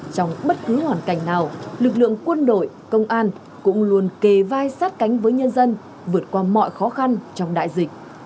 trong bất cứ hoàn cảnh nào lực lượng quân đội công an cũng luôn kề vai sát cánh với nhân dân vượt qua mọi khó khăn trong đại dịch